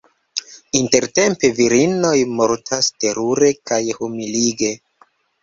Intertempe virinoj mortas terure kaj humilige.